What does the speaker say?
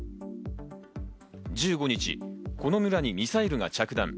１５日、この村にミサイルが着弾。